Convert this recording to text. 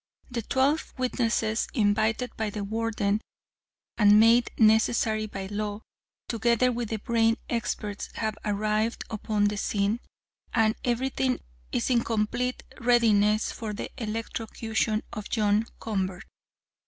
The twelve witnesses invited by the Warden, and made necessary by law, together with the brain experts, have arrived upon the scene, and everything is in complete readiness for the electrocution of John Convert."